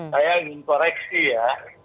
saya ingin koreksi ya